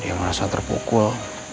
dia merasa terpukul